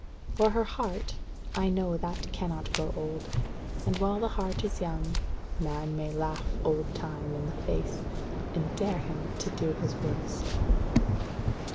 For her heart, I know that cannot grow old; and while the heart is young, man may laugh old Time in the face, and dare him to do his worst.